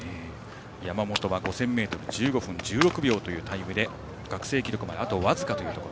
山本は５０００ｍ１５分１６秒というタイムで学生記録まであと僅かというところ。